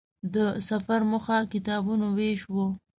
د سفر موخه کتابونو وېش و.